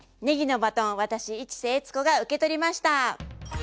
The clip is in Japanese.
ねぎのバトン私市瀬悦子が受け取りました！